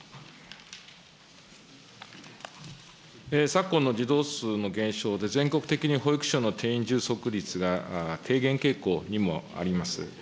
昨今の児童数の減少で、全国的に保育所の定員充足率が低減傾向にもあります。